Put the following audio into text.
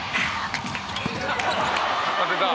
「当てた」